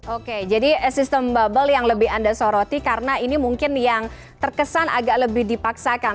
oke jadi sistem bubble yang lebih anda soroti karena ini mungkin yang terkesan agak lebih dipaksakan